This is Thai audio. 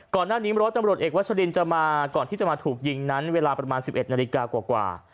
ร้อยมร้อยตำรวจเอกวัชรินจะมาก่อนที่จะมาถูกยิงนั้นเวลาประมาณ๑๑นาฬิกากว่า